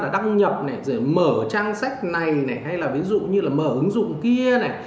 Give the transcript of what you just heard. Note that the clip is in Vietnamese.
đăng nhập này rồi mở trang sách này này hay là ví dụ như là mở ứng dụng kia này